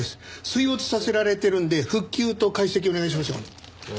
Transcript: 水没させられてるんで復旧と解析お願いしますよ。